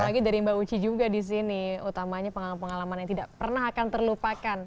apalagi dari mbak uci juga di sini utamanya pengalaman pengalaman yang tidak pernah akan terlupakan